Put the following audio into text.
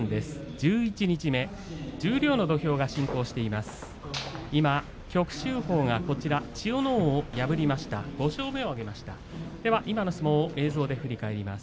十一日目、十両の土俵が進行しています。